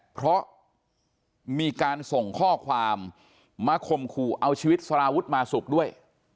เพราะมีการส่งข้อความมาข่มขู่เอาชีวิตสารวุฒิมาสุกด้วย